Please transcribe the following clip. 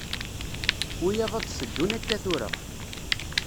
Wiyaḍ ad d-teddun akka tura.